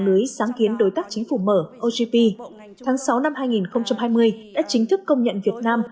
lưới sáng kiến đối tác chính phủ mở ogp tháng sáu năm hai nghìn hai mươi đã chính thức công nhận việt nam